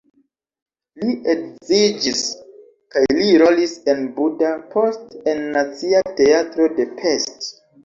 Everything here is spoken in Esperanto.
Li edziĝis kaj li rolis en Buda, poste en Nacia Teatro de Pest.